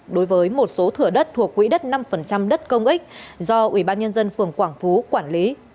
đối với một số thửa đất thuộc quỹ đất năm đất công ích do ubnd phường quảng phú quản lý